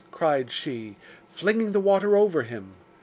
cried she, flinging the water over him.